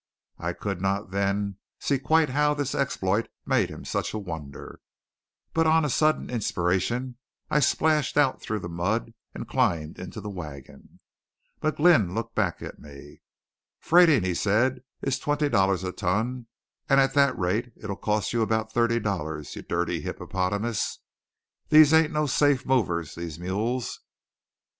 I could not, then, see quite how this exploit made him such a wonder; but on a sudden inspiration I splashed out through the mud and climbed into the wagon. McGlynn looked back at me. "Freightin'," said he, "is twenty dollars a ton; and at that rate it'll cost you about thirty dollars, you dirty hippopotamus. These ain't no safe movers, these mules!"